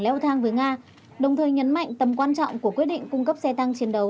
leo thang với nga đồng thời nhấn mạnh tầm quan trọng của quyết định cung cấp xe tăng chiến đấu